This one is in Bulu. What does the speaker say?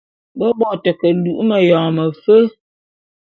Be bo te ke alu'u meyone mefe.